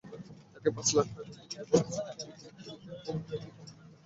তাঁকে পাঁচ লাখ টাকা দিতে বলেছি—এমন কোনো প্রমাণ তিনি দেখাতে পারবেন না।